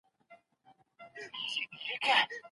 که انلاین تمرین دوام ولري، مهارت نه کمزورې کېږي.